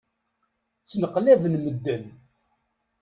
Ttneqlaben medden.